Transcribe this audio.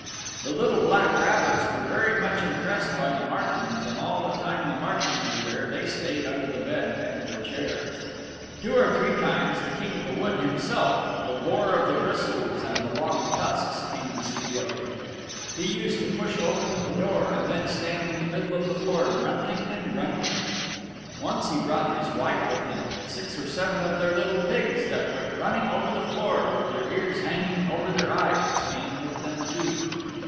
The little black rabbits were very much impressed by the martens, and all the time the martens were there they stayed under the bed and the chairs. Two or three times the King of the Wood himself the Boar of the Bristles and the Long Tusks came to see Gilly; he used to push open the door and then stand in the middle of the floor grunting and grunting. Once he brought his wife with him, and six or seven of their little pigs that went running over the floor, with their ears hanging over their eyes, came with them too.